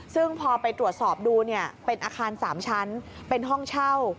ซึ่งพอไปตรวจสอบดูเนี่ยเป็นอาคาร๓ชั้นเป็นห้องเช่า